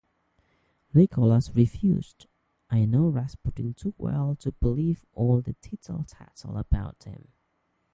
Nicholas refused; I know Rasputin too well to believe all the tittle-tattle about him.